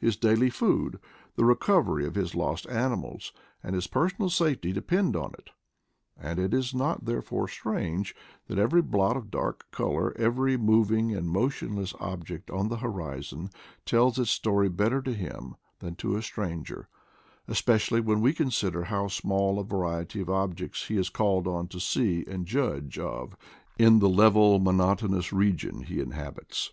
His daily food, the recovery of his lost animals, and 170 IDLE DAYS IN PATAGONIA his personal safety depend on it; and it is not, therefore, strange that every blot of dark color, every moving and motionless object on the hori zon, tells its story better to him than to a stran ger; especially when we consider how small a variety of objects he is called on to see and judge of in the level monotonous region he inhabits.